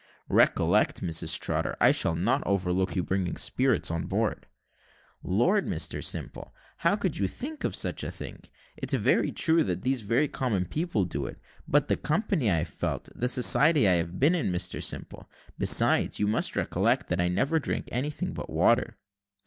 "Recollect, Mrs Trotter, I shall not overlook your bringing spirits on board." "Lord, Mr Simple, how could you think of such a thing? It's very true that these very common people do it, but the company I have kept, the society I have been in, Mr Simple! Besides, you must recollect, that I never drank anything but water."